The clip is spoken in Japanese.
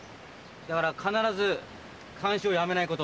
だから必ず監視をやめないこと。